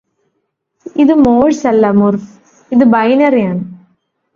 ഇത് മോഴ്സ് അല്ല മുര്ഫ് ഇത് ബൈനറിയാണ്